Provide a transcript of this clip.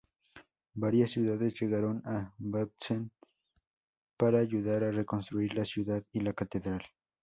Varias ciudades llegaron a Bautzen para ayudar a reconstruir la ciudad y la Catedral.